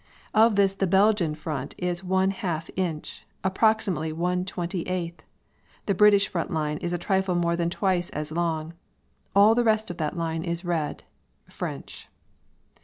Of this the Belgian front is one half inch, or approximately one twenty eighth. The British front is a trifle more than twice as long. All the rest of that line is red French.